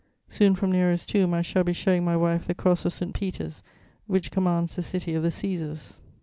Soon, from Nero's Tomb, I shall be showing my wife the cross of St. Peter's which commands the city of the Cæsars."